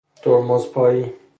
ترمز پایی